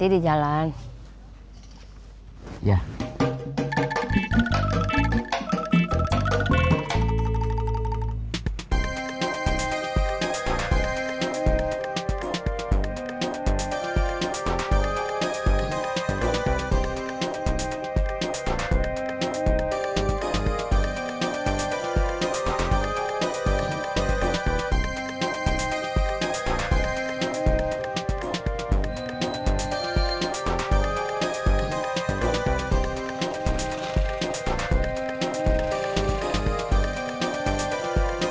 itu aku yang sulit